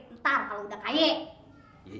bentar kalau udah kaya